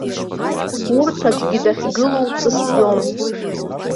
Урҭ аӡәгьы дахьгылоу дҵысӡом.